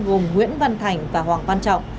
gồm nguyễn văn thành và hoàng văn trọng